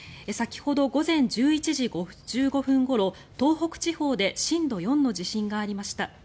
先ほど午前１１時５５分ごろ東北地方で震度４の地震がありました。